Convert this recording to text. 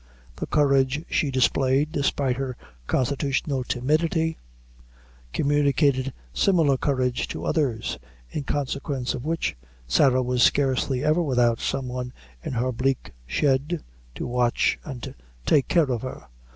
The courage she displayed, despite her constitutional timidity, communicated similar courage to others, in consequence of which Sarah was scarcely ever without some one in her bleak shed to watch and take care of her.